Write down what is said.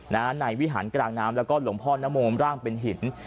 ในวิหารกลางน้ำแล้วก็หลวงพ่อนโมมร่างเป็นหิน